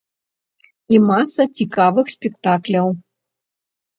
І маса цікавых спектакляў.